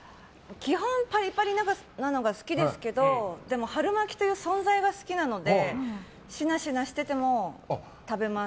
基本、パリパリなのが好きですけど春巻きという存在が好きなのでシナシナしてても食べます。